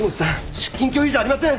出勤拒否じゃありません！